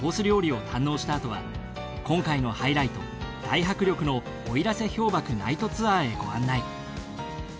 料理を堪能したあとは今回のハイライト大迫力の奥入瀬氷瀑ナイトツアーへご案内。